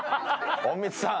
隠密さん！